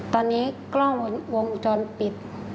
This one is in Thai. ตอนนี้กล้องวงจรปิด